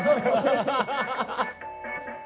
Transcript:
ハハハハハ！